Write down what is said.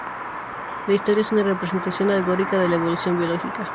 La historia es una representación alegórica de la evolución biológica.